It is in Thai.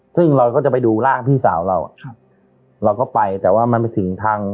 ซึ่งเราก็จะไปดูร่างพี่สาวเราอ่ะครับเราก็ไปแต่ว่ามันไปถึงทาง